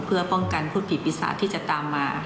เพื่อป้องกันผู้ติดปีศาจที่จะตามมา